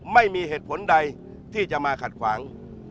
ไม่มีเหตุผลใดที่จะมาขัดขวาง